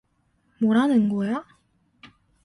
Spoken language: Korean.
뭐라는 거야?